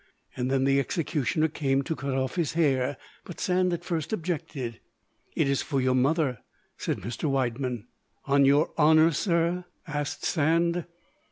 Then the executioner came to cut off his hair; but Sand at first objected. "It is for your mother," said Mr. Widemann. "On your honour, sir?" asked Sand.